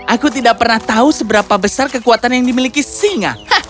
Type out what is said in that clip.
aku tidak pernah tahu seberapa besar kekuatan yang dimiliki singa